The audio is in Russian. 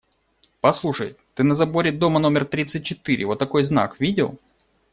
Послушай: ты на заборе дома номер тридцать четыре вот такой знак видел?